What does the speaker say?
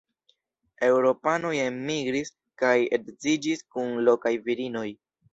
Eŭropanoj enmigris kaj edziĝis kun lokaj virinoj.